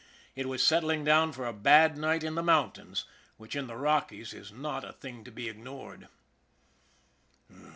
It was settling down for a bad night in the mountains, which, in the Rockies, is not a thing to be ignored.